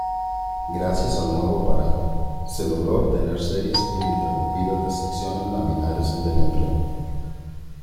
Gracias al nuevo aparato, se logró obtener series ininterrumpidas de secciones laminares del embrión.